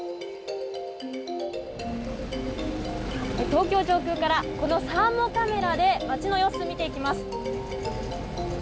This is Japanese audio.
東京上空からこのサーモカメラで街の様子を見ていきます。